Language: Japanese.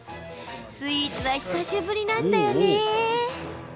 スイーツは久しぶりなんだよね。